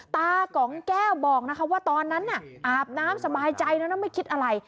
ตากล่องแก้วบอกว่าตอนนั้นอาบน้ำสบายใจแล้วไม่คิดอะไร